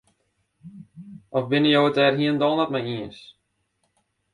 Of binne jo it dêr net hielendal mei iens?